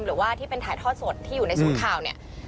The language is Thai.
หรือว่าที่เป็นถ่ายทอดสดที่อยู่ในสูตรข่าว